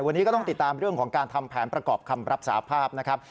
วันนี้ก็ต้องติดตามเรื่องของการทำแผนประกอบคำรับสาภาพนะครับ